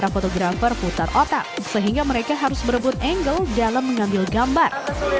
fotografer putar otak sehingga mereka harus berebut angle dalam mengambil gambar